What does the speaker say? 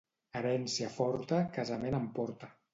Herència forta, casament en porta.